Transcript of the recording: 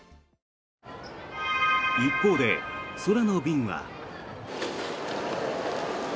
一方で、空の便は。